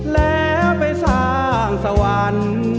แล้วไปสร้างสวรรค์